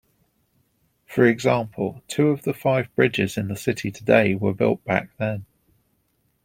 For example, two of the five bridges in the city today were built back then.